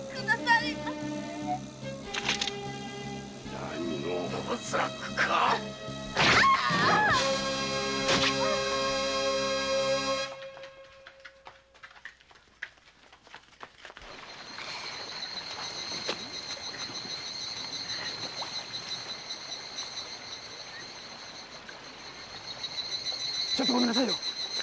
何をほざくかちょっとごめんなさいよ。